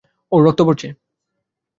ওর রক্ত পড়ছে!